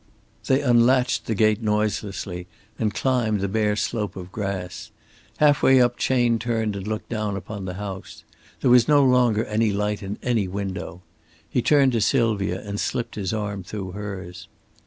They unlatched the gate noiselessly and climbed the bare slope of grass. Half way up Chayne turned and looked down upon the house. There was no longer any light in any window. He turned to Sylvia and slipped his arm through hers.